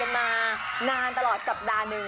รอคอยกันมานานตลอดสัปดาห์หนึ่ง